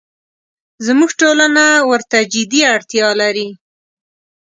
زموږ ټولنه ورته جدي اړتیا لري.